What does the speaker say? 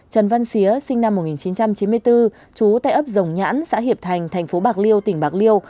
trần văn xía sinh năm một nghìn chín trăm chín mươi bốn trú tại ấp dòng nhãn xã hiệp thành thành phố bạc liêu tỉnh bạc liêu